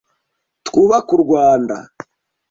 twubake u Rwanda